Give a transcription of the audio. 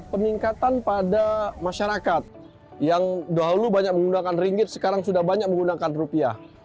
peningkatan pada masyarakat yang dahulu banyak menggunakan ringgit sekarang sudah banyak menggunakan rupiah